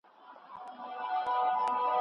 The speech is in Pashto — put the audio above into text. نه خبر وو چي سبا او بېګاه څه دی